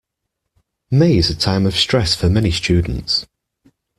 May is a time of stress for many students.